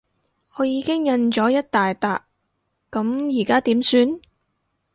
我已經印咗一大疊，噉而家點算？